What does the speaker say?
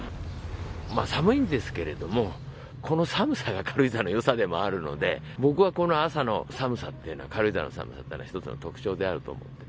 寒いんですけれども、この寒さが軽井沢のよさでもあるので、僕はこの朝の寒さっていうのは、軽井沢の寒さっていうのは一つの特徴であると思うので、